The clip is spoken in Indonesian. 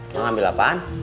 mau ambil apaan